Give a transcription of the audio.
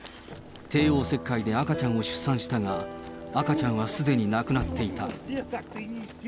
帝王切開で赤ちゃんを出産したが、赤ちゃんはすでに亡くなっていた。